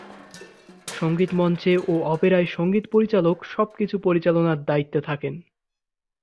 সঙ্গীত মঞ্চে ও অপেরায় সঙ্গীত পরিচালক সব কিছু পরিচালনার দায়িত্বে থাকেন।